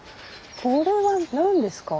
これは何ですか？